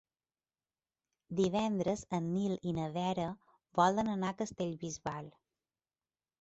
Divendres en Nil i na Vera volen anar a Castellbisbal.